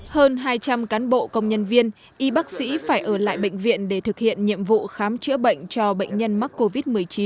hơn hai trăm linh cán bộ công nhân viên y bác sĩ phải ở lại bệnh viện để thực hiện nhiệm vụ khám chữa bệnh cho bệnh nhân mắc covid một mươi chín